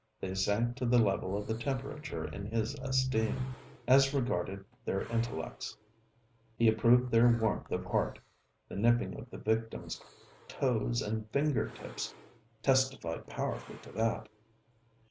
They sank to the level of the temperature in his esteem as regarded their intellects. He approved their warmth of heart. The nipping of the victim's toes and finger tips testified powerfully to that.